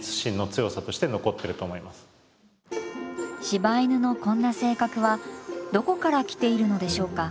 柴犬のこんな性格はどこから来ているのでしょうか。